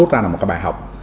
là một cái bài học